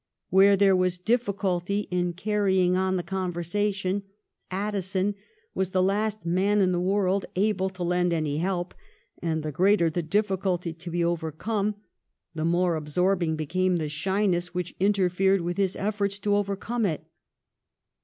Where there was diflSculty in carrying on the con versation Addison was the last man in the world able to lend any help, and the greater the difficulty to be overcome the more absorbing became the shyness which interfered with his efforts to overcome it.